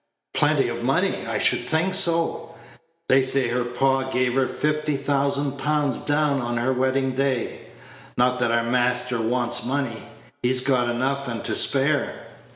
"Plenty of money! I should think so. They say her pa gave her fifty thousand pounds down on her wedding day; not that our master wants money; he's got enough, and to spare."